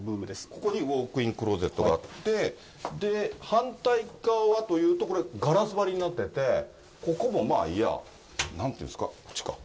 ここにウォークインクローゼットがあって、反対側はというと、これ、ガラス張りになってて、ここもまあ、なんていうんですか、こっちか。